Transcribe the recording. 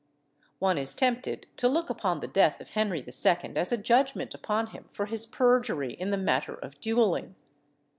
One is tempted to look upon the death of Henry II. as a judgment upon him for his perjury in the matter of duelling.